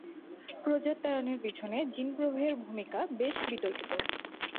প্রজাত্যায়নের পেছনে জিন প্রবাহের ভূমিকা বেশ বিতর্কিত।